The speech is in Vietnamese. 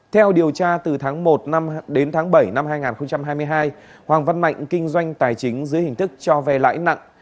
theo điều tra từ tháng một đến tháng bảy năm hai nghìn hai mươi hai hoàng văn mạnh kinh doanh tài chính dưới hình thức cho vay lãi nặng